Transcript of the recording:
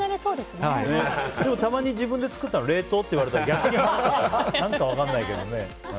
でも、たまに自分で作ったの冷凍って言われたら逆にやだね何か分かんないけどね。